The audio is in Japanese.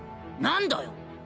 何だよ。